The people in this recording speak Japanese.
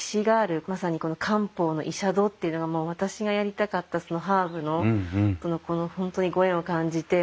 まさにこの漢方の医者殿っていうのが私がやりたかったハーブとの本当にご縁を感じて。